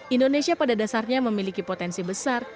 indonesia pada dasarnya memiliki potensi besar